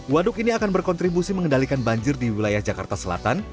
waduk ini akan berkontribusi mengendalikan banjir di wilayah jakarta selatan